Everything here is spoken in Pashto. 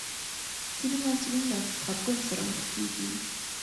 ځینې محصلین له خپګان سره مخ کېږي.